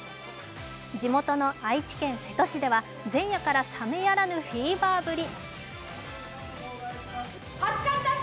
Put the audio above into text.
地元の愛知県瀬戸市では、前夜から冷めやらぬフィーバーぶり。